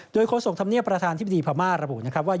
โดยโคสกธรรมเนี่ยประธานทฤษฎีพม่าระบุว่า